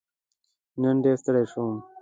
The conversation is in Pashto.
نن ډېر ستړی شوم.